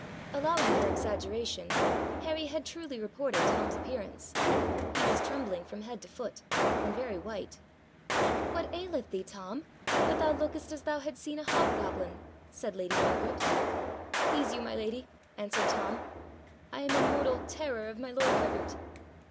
Allowing for exaggeration, Harry had truly reported Tom's appearance. He was trembling from head to foot, and very white. 'What aileth thee, Tom, that thou lookest as thou had seen a hobgoblin?' said lady Margaret. 'Please you, my lady,' answered Tom, 'I am in mortal terror of my lord Herbert.'